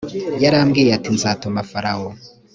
yaramubwiye ati nzatuma farawo.